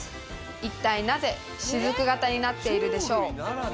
一体なぜ、しずく型になっているでしょう？